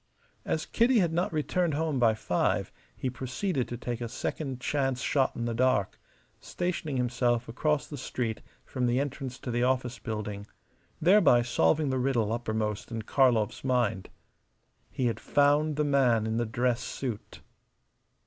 As Kitty had not returned home by five he proceeded to take a second chance shot in the dark, stationing himself across the street from the entrance to the office building, thereby solving the riddle uppermost in Karlov's mind. He had found the man in the dress suit.